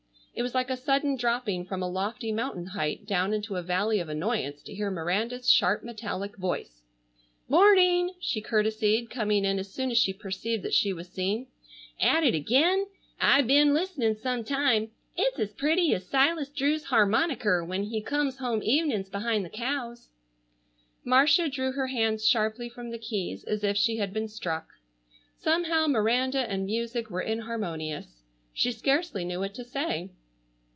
It was like a sudden dropping from a lofty mountain height down into a valley of annoyance to hear Miranda's sharp metallic voice: "Morning!" she courtesied, coming in as soon as she perceived that she was seen. "At it again? I ben listening sometime. It's as pretty as Silas Drew's harmonicker when he comes home evenings behind the cows." Marcia drew her hands sharply from the keys as if she had been struck. Somehow Miranda and music were inharmonious. She scarcely knew what to say.